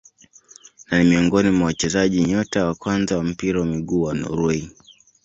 Na ni miongoni mwa wachezaji nyota wa kwanza wa mpira wa miguu wa Norway.